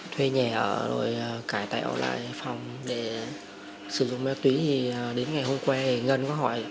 thuê nhà ở rồi cải tạo lại phòng để sử dụng ma túy thì đến ngày hôm qua ngân có hỏi